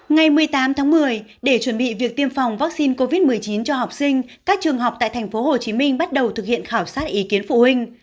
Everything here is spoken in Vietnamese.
ngày một mươi tám tháng một mươi để chuẩn bị việc tiêm phòng vaccine covid một mươi chín cho học sinh các trường học tại tp hcm bắt đầu thực hiện khảo sát ý kiến phụ huynh